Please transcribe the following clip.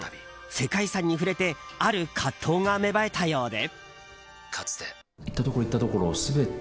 世界遺産に触れてある葛藤が芽生えたようで。